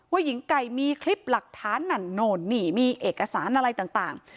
หญิงไก่มีคลิปหลักฐานนั่นโน่นนี่มีเอกสารอะไรต่าง